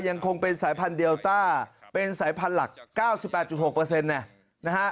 ยังคงเป็นสายพันเดีลต้าเป็นสายพันหลัก๙๘๖นะฮะ